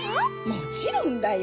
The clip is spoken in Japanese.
もちろんだよ。